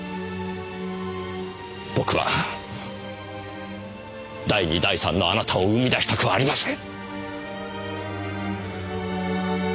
僕は第二第三のあなたを生み出したくはありません。